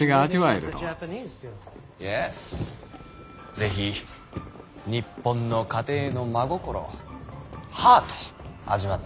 是非日本の家庭の真心をハートを味わっていただきたい。